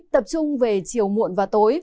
tập trung về chiều muộn và tối